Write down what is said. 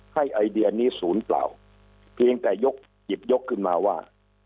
ไอเดียนี้ศูนย์เปล่าเพียงแต่ยกหยิบยกขึ้นมาว่า